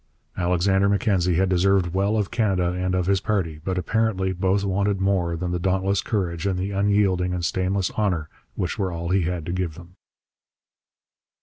Alexander Mackenzie had deserved well of Canada and of his party; but, apparently, both wanted more than the dauntless courage and the unyielding and stainless honour which were all he had to give them.